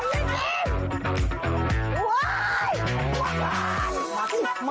มี้ยาดรีม